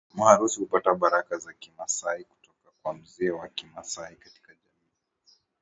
Maharusi hupata baraka za Kimasai kutoka kwa mzee wa Kimasai katika jamii